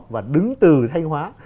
và đứng từ thanh hóa